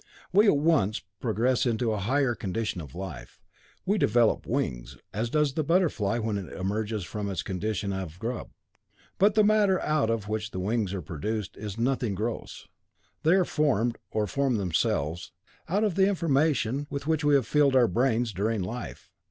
We at once progress into a higher condition of life. We develop wings, as does the butterfly when it emerges from its condition of grub. But the matter out of which the wings are produced is nothing gross. They are formed, or form themselves, out of the information with which we have filled our brains during life.